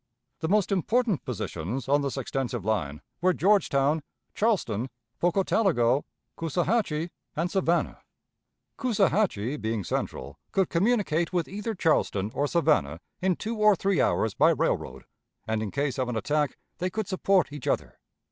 The most important positions on this extensive line were Georgetown, Charleston, Pocotaligo, Coosawhatchee, and Savannah. Coosawhatchee, being central, could communicate with either Charleston or Savannah in two or three hours by railroad, and in case of an attack they could support each other.